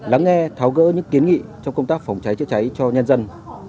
lắng nghe tháo gỡ những kiến nghị trong công tác phòng cháy chữa cháy cho nhân dân